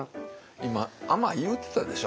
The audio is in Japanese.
今「甘い」言うてたでしょ。